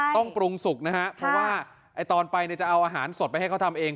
ต้องพรุงสุขเพราะว่าตอนไปจะเอาอาหารสดไปให้เค้าทำเอง